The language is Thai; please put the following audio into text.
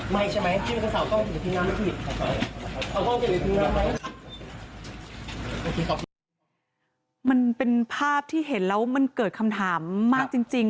มันเป็นภาพที่เห็นแล้วมันเกิดคำถามมากจริง